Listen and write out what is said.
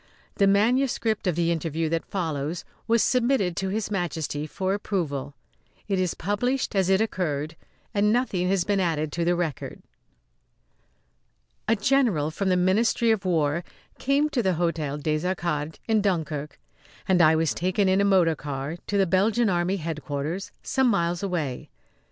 The manuscript of the interview that follows was submitted to His Majesty for approval. It is published as it occurred, and nothing has been added to the record. A general from the Ministry of War came to the Hôtel des Arcades, in Dunkirk, and I was taken in a motor car to the Belgian Army headquarters some miles away.